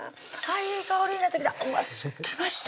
いい香りになってきた